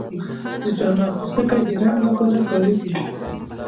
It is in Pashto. د چارمغز پوستکی د رنګ لپاره کاریږي؟